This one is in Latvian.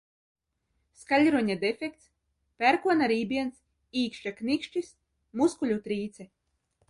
Skaļruņa defekts, pērkona rībiens, īkšķa knikšķis, muskuļu trīce.